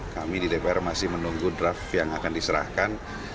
kami di dpr masih menunggu draft yang akan diserahkan